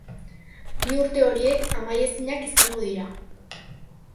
Bi urte horiek amaiezinak izango dira.